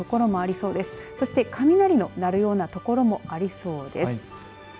そして雷の鳴るような所もありそうです。